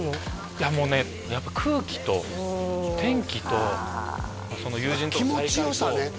いやもうねやっぱ空気と天気とその友人との再会と気持ちよさね？